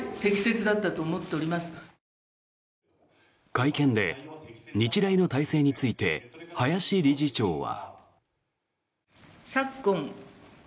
会見で日大の体制について林理事長は。